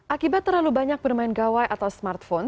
akibat terlalu banyak bermain gawai atau smartphone